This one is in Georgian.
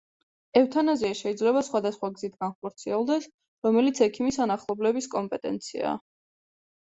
ევთანაზია შეიძლება სხვადასხვა გზით განხორციელდეს, რომელიც ექიმის ან ახლობლების კომპეტენციაა.